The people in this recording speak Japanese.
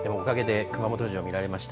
おかげで熊本城見られました。